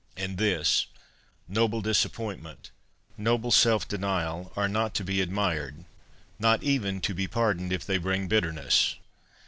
And this :" Noble disappointment, noble self denial, are not to be admired, not even to be pardoned, if they bring bitterness.